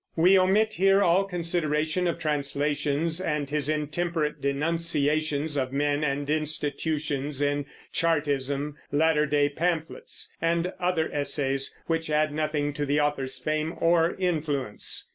We omit here all consideration of translations, and his intemperate denunciations of men and institutions in Chartism, Latter Day Pamphlets, and other essays, which add nothing to the author's fame or influence.